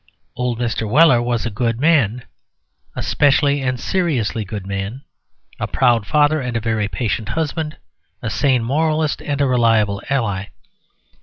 Old Mr. Weller was a good man, a specially and seriously good man, a proud father, a very patient husband, a sane moralist, and a reliable ally.